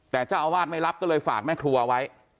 แต่เจ้าอาวาสไม่รับก็เลยฝากแม่ครัวไว้